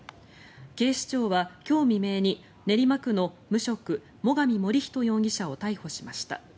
警視庁は、今日未明に練馬区の無職最上守人容疑者を逮捕しました。